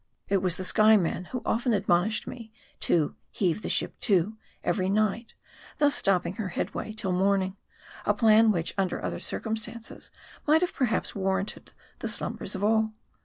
It was the Skyeman, who often admonished me to " heave the ship to" every night, thus stopping her head way till morning ; a plan which, under other circumstances, might have perhaps warranted the slumbers of all.